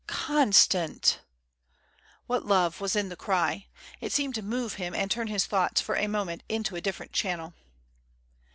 "Constant!" What love was in the cry! It seemed to move him and turn his thoughts for a moment into a different channel.